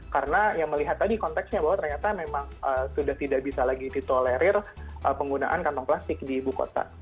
karena yang melihat tadi konteksnya bahwa ternyata memang sudah tidak bisa lagi ditolerir penggunaan kantong plastik di ibu kota